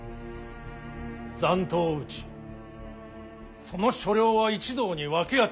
残党を討ちその所領は一同に分け与えよう。